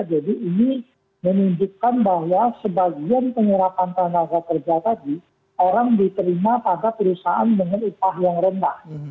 jadi ini menunjukkan bahwa sebagian pengirapan tanah kerja tadi orang diterima pada perusahaan dengan upah yang rendah